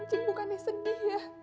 cing bukannya sedih ya